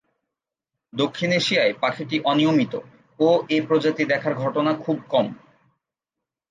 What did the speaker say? দক্ষিণ এশিয়ায় পাখিটি অনিয়মিত ও এ প্রজাতি দেখার ঘটনা খুব কম।